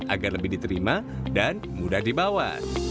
agar lebih diterima dan mudah dibawa